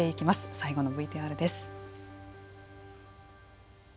最後のＶＴＲです。